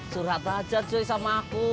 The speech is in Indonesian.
surhat aja cuy sama aku